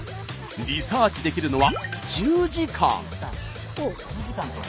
リサーチできるのは１０時間。